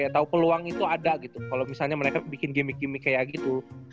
atau peluang itu ada gitu kalau misalnya mereka bikin gimmick gimmick kayak gitu